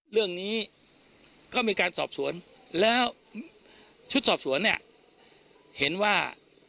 เรื่องนี้ก็มีการสอบสวนแล้วชุดสอบสวนเนี่ยเห็นว่า